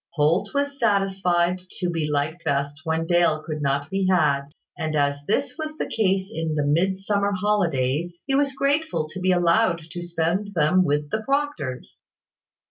Holt was satisfied to be liked best when Dale could not be had; and as this was the case in the Midsummer holidays, he was grateful to be allowed to spend them with the Proctors.